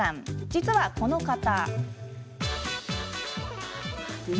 実は、この方。